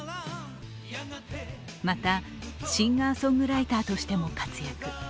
また、シンガーソングライターとしても活躍。